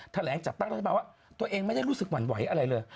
แถลงจับตั้งแล้วจะเปล่าว่าตัวเองไม่ได้รู้สึกหวั่นไหวอะไรเลย